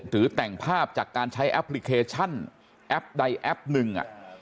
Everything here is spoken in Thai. หรือแต่งภาพจากการใช้แอปพลิเคชันแอปใดแอปหนึ่ง